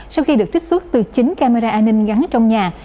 sau khi được trích xuất từ chính camera an ninh gắn trong nhà